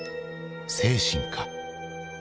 精神か？